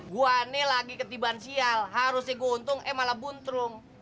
gue aneh lagi ketibaan sial harusnya gue untung eh malah buntrung